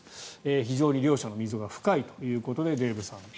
非常に両者の溝は深いということでデーブさん